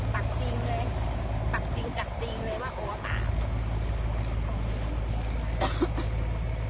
ปากจริงจากจริงเลยว่าโอ้วปาก